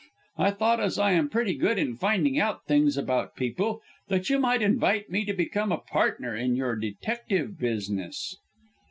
I thought as I am pretty good in finding out things about people that you might invite me to become a partner in your detective business."